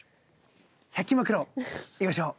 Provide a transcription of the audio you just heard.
１００均マクロいきましょう！